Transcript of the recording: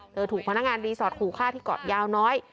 ถูกพนักงานรีสอร์ทขู่ฆ่าที่เกาะยาวน้อย